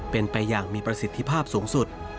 เป็นไปอย่างมีประสิทธิภาพสูงสุด